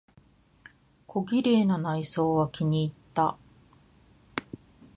小綺麗な内装は気にいった。